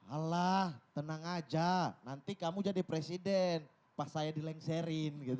alah tenang aja nanti kamu jadi presiden pas saya dilengserin gitu